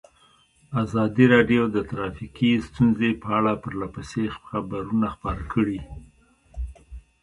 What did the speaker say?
ازادي راډیو د ټرافیکي ستونزې په اړه پرله پسې خبرونه خپاره کړي.